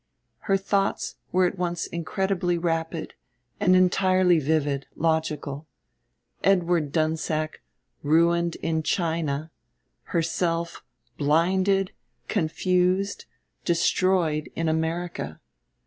Her thoughts were at once incredibly rapid and entirely vivid, logical: Edward Dunsack, ruined, in China; herself blinded, confused, destroyed in America.